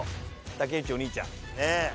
竹内お兄ちゃんねぇ。